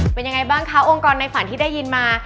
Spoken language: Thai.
เป็นยังไงบ้างคะองค์กรในฝันที่ได้ยินมา